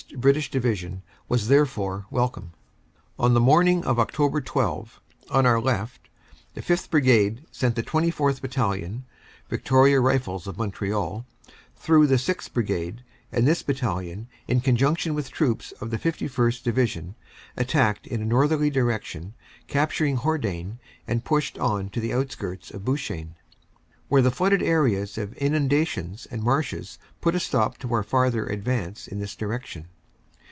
British Division was therefore welcome. On the morning of Oct. 12, on our left, the 5th. Brigade sent the 24th. Battalion, Victoria Rifles of Montreal, through the 6th Brigade, and this Battalion, in conjunction with troops of the 51st. Division, attacked in a northerly direction, captur ing Hordain and pushed on to the outskirts of Bouchain, where the flooded area of inundations and marshes put a stop to our farther advance in this direction.